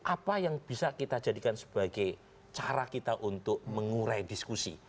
apa yang bisa kita jadikan sebagai cara kita untuk mengurai diskusi